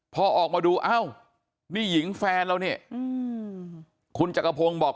พอออกมาดูอ้าวนี่หญิงแฟนเรานี่คุณจักรพงศ์บอก